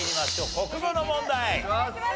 国語の問題。